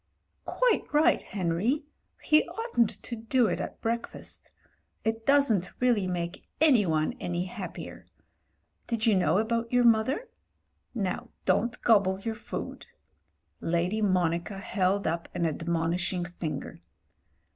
*'Quite right, Henry. He oughtn't to do it at break fast. It doesn't really make any one any happier. Did you know about your mother ? Now don't gobble your food." Lady Monica held up an admonishing finger.